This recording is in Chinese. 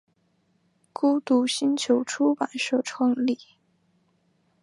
孤独星球出版社创立。